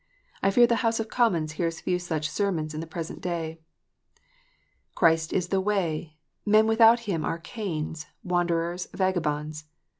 I fear the House of Commons hears few such sermons in the present day. " Christ is the ivay : men without Him are Cains, wanderers, vagabonds.